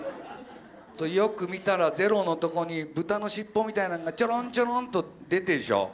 よく見たらゼロのとこに豚の尻尾みたいなのがちょろんちょろんと出てるでしょ。